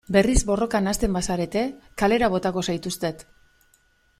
Berriz borrokan hasten bazarete kalera botako zaituztet.